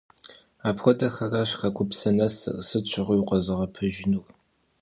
Апхуэдэхэращ хэкупсэ нэсыр, сыт щыгъуи укъэзыгъэпэжынур.